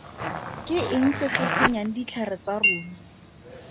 Ke eng se se senyang ditlhare tsa rona?